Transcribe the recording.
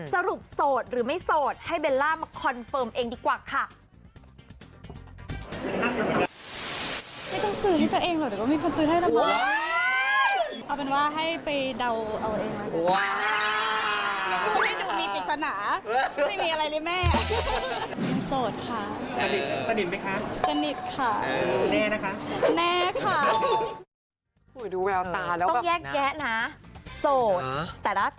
สรุปโสดหรือไม่โสดให้เบลล่ามาคอนเฟิร์มเองดีกว่าค่ะ